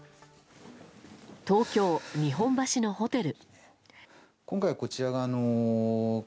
東京・日本橋のホテル。